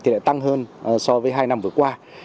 lại tăng hơn so với hai năm vừa qua